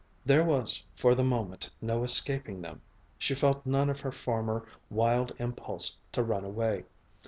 There was for the moment no escaping them. She felt none of her former wild impulse to run away.